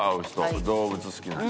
動物好きな人」